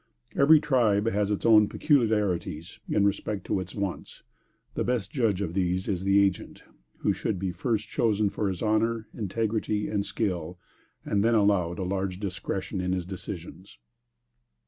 Every tribe has its own peculiarities in respect to its wants, and the best judge of these is the agent, who should be first chosen for his honor, integrity and skill, and then allowed a large discretion in his decisions.